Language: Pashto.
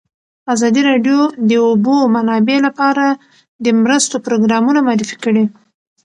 ازادي راډیو د د اوبو منابع لپاره د مرستو پروګرامونه معرفي کړي.